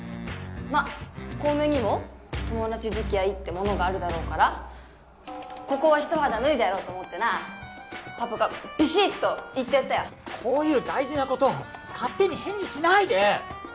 まっ小梅にも友達付き合いってものがあるだろうからここは一肌脱いでやろうと思ってなパパがビシッと言ってやったよこういう大事なこと勝手に返事しないで！